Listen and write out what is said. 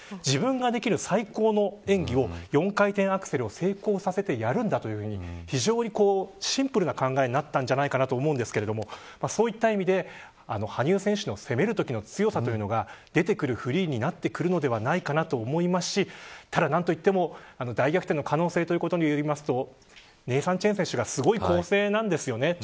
自分ができる最高の演技を４回転アクセルを成功させてやるんだという非常にシンプルな考えになったんじゃないかと思うんですけどそういった意味で羽生選手の攻めるときの強さというのが出てくるフリーになってくるのではないかなと思いますしただ何といっても、大逆転の可能性ということになりますとネイサン・チェン選手がすごい構成なんですよね。